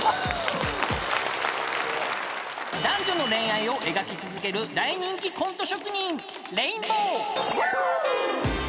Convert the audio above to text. ［男女の恋愛を描き続ける大人気コント職人］